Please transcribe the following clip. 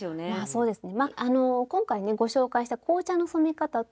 そうですね。